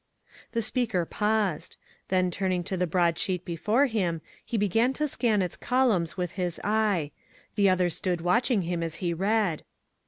The speaker paused. Then turning to the broad sheet before him, he began to scan its columns with his eye. The others stood watching him as he read.